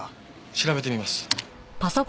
調べてみます。